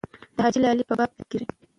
د حاجي لالي په باب تحقیق کېږي.